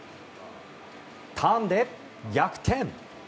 ターンで逆転！